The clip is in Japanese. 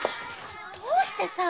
どうしてさ？